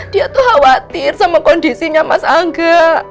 dia tuh khawatir sama kondisinya mas angga